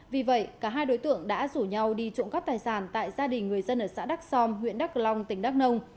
vì vậy cả hai đối tượng đã rủ nhau đi trộn cắp tài sản tại gia đình người dân ở xã đắc xom huyện đắc long tỉnh đắc nông